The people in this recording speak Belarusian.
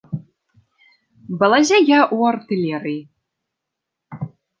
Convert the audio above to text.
Балазе я ў артылерыі.